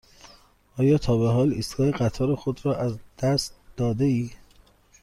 آیا تا به حال ایستگاه قطار خود را از دست داده ای؟